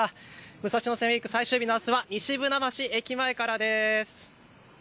武蔵野線ウイーク、最終日のあすは西船橋駅前からです。